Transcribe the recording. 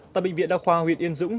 tạp bệnh viện đa khoa huyện yên dũng